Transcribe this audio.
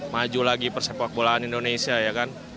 maju lagi persepak bolaan indonesia ya kan